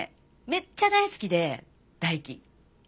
めっちゃ大好きで大樹。